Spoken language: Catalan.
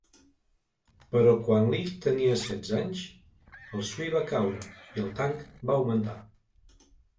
Però quan Li tenia setze anys el Sui va caure, i el Tang va augmentar.